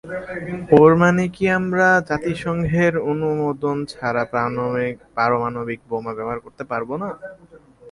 এর মানে কি আমরা জাতিসংঘের অনুমোদন ছাড়া পারমাণবিক বোমা ব্যবহার করবো না?